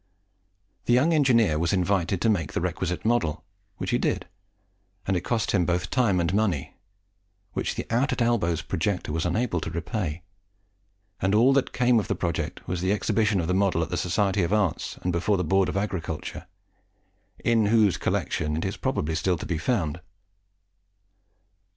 The young engineer was invited to make the requisite model, which he did, and it cost him both time and money, which the out at elbows projector was unable to repay; and all that came of the project was the exhibition of the model at the Society of Arts and before the Board of Agriculture, in whose collection it is probably still to be found.